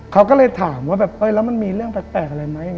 เขาก็เลยถามว่าแบบแล้วมันมีเรื่องแปลกอะไรไหม